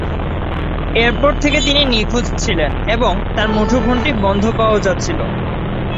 এরপর থেকে তিনি নিখোঁজ ছিলেন এবং তাঁর মুঠোফোনটি বন্ধ পাওয়া যাচ্ছিল।